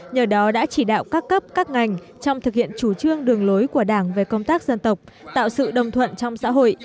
nhờ đó đã chỉ đạo các cấp các ngành trong thực hiện chủ trương đường lối của đảng về công tác dân tộc tạo sự đồng thuận trong xã hội